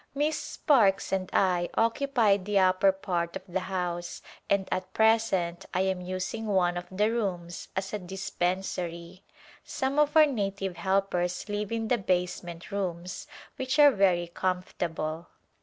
Miss Sparkes and I occupy the upper part of the house and at present I am using one of the rooms as a dispensary. Some of our native helpers live in the basement rooms which are very comfortable.